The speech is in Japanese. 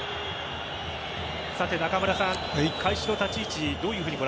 中村さん、開始の立ち位置